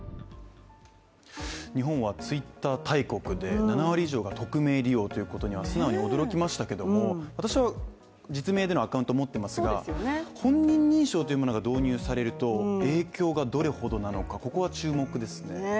日本はツイッター大国で７割以上が匿名利用ということには素直に驚きましたけども私は実名でのアカウントを持ってますが本人認証というものが導入されると影響がどれほどなのかここは注目ですね